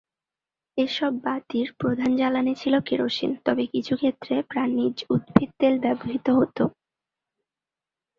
এসব বাতির প্রধান জ্বালানী ছিল কেরোসিন তবে কিছু ক্ষেত্রে প্রাণীজ উদ্ভিদ তেল ব্যবহৃত হত।